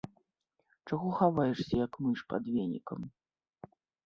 Чаго хаваешся, як мыш пад венікам?